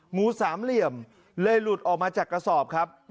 หมูสามเหลี่ยมเลยหลุดออกมาจากกระสอบครับ